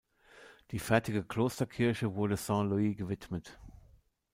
Die fertige Klosterkirche wurde Saint-Louis gewidmet.